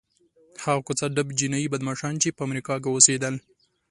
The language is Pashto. هغه کوڅه ډب جنایي بدماشان چې په امریکا کې اوسېدل.